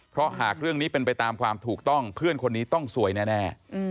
เพราะหากเรื่องนี้เป็นไปตามความถูกต้องเพื่อนคนนี้ต้องซวยแน่